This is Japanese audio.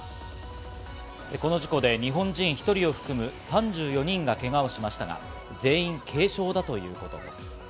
この事故で日本人１人を含む３４人がけがをしましたが、全員軽傷だということです。